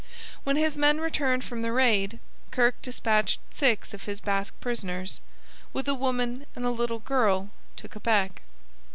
When his men returned from the raid, Kirke dispatched six of his Basque prisoners, with a woman and a little girl, to Quebec.